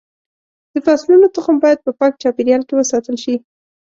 د فصلونو تخم باید په پاک چاپېریال کې وساتل شي.